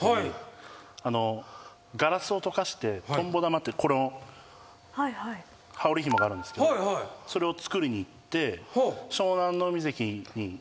ガラスを溶かしてとんぼ玉っていうこの羽織ひもがあるんですけどそれを作りにいって。